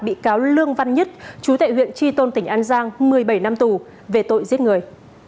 bị cáo lương văn nhất chú tại huyện tri tôn tỉnh an giang một mươi bảy năm tù về tội giết người